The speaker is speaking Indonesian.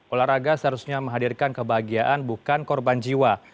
olahraga seharusnya menghadirkan kebahagiaan bukan korban jiwa